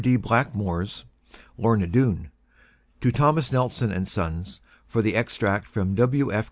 D. Blackmore's "Lorna Doone"; to Thomas Nelson & Sons for the extract from W.